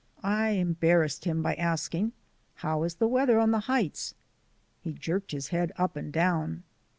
I embarrassed him by asking: "How is the weather on the heights?" He jerked his head up and down.